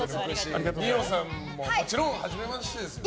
二葉さんももちろん初めましてですよね？